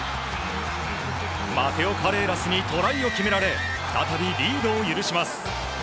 マテオ・カレーラスにトライを決められ再びリードを許します。